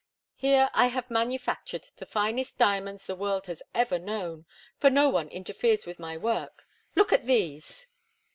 Here I have manufactured the finest diamonds the world has ever known, for no one interferes with my work. Look at these."